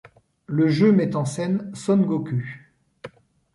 Le jeu met en scène Son Goku.